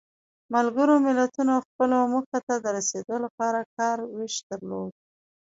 ملګرو ملتونو خپلو موخو ته د رسیدو لپاره کار ویش درلود.